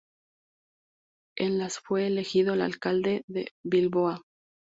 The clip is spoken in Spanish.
En las fue elegido alcalde de Bilbao.